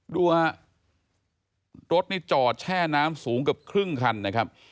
ดูฮะรถนี่จอดแช่น้ำสูงเกือบครึ่งคันนะครับ